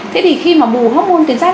thế thì khi mà bù hormôn tuyệt giác